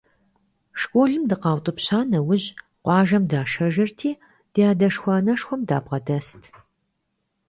Школым дыкъаутӀыпща нэужь, къуажэм дашэжырти, ди адэшхуэ-анэшхуэм дабгъэдэст.